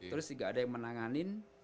terus juga ada yang menanganin